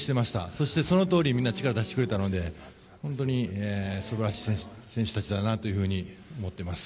そしてそのとおりにみんなが力を出してくれたので本当に素晴らしい選手たちだなと思っています。